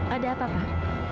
ada apa pak